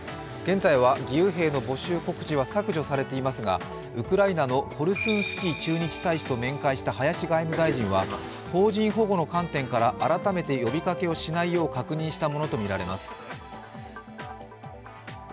現在は義勇兵の募集告知は削除されていますが、ウクライナのコルスンスキー駐日大使と面会した林外務大臣は邦人保護の観点から改めて呼びかけをしないよう確認したものとみられます。